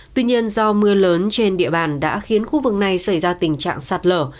tuy nhiên do mưa lớn trên địa bàn đã khiến khu vực này xảy ra tình trạng sạt lở